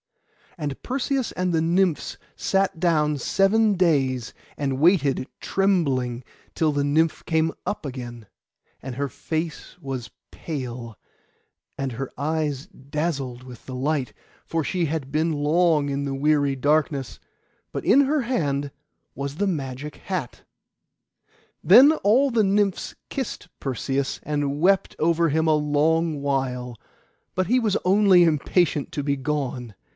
And Perseus and the Nymphs sat down seven days, and waited trembling, till the Nymph came up again; and her face was pale, and her eyes dazzled with the light, for she had been long in the dreary darkness; but in her hand was the magic hat. Then all the Nymphs kissed Perseus, and wept over him a long while; but he was only impatient to be gone.